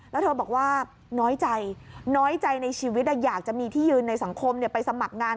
แล้วเธอบอกว่าน้อยใจน้อยใจในชีวิตอยากจะมีที่ยืนในสังคมไปสมัครงาน